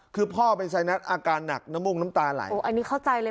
คือพ่อเป็นไซนัสอาการหนักน้ำมุ่งน้ำตาไหลโอ้อันนี้เข้าใจเลย